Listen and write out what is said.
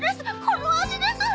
この味です！